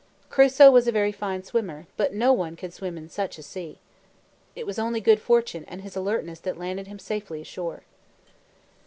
Crusoe was a very fine swimmer, but no one could swim in such a sea. It was only good fortune and his alertness that landed him safely ashore.